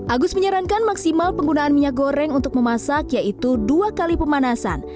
agus menyarankan maksimal penggunaan minyak goreng untuk memasak yaitu dua kali pemanasan